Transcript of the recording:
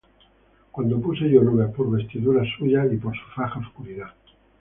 Cuando puse yo nubes por vestidura suya, Y por su faja oscuridad.